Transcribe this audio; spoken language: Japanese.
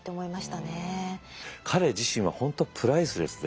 彼自身は本当プライスレスで。